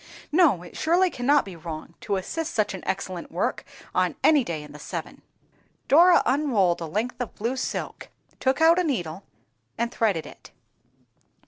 No, it surely cannot be wrong to assist such an excellent work on any day in the seven." Dora unrolled a length of blue silk, took out a needle and threaded it.